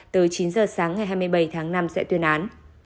tới chín giờ sáng ngày hai mươi bảy tháng năm sẽ tuyên án